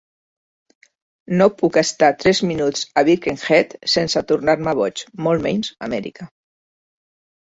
No puc estar tres minuts a Birkenhead sense tornar-me boig, molt menys Amèrica.